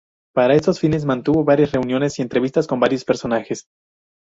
Para estos fines mantuvo varias reuniones y entrevistas con varios personajes.